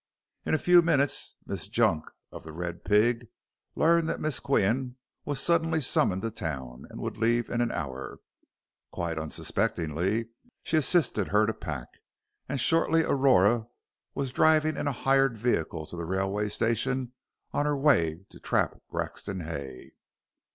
In a few minutes Miss Junk, of "The Red Pig," learned that Miss Qian was suddenly summoned to town and would leave in an hour. Quite unsuspectingly she assisted her to pack, and shortly Aurora was driving in a hired vehicle to the railway station on her way to trap Grexon Hay.